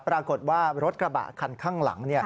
ปรากฏว่ารถกระบะคันข้างหลัง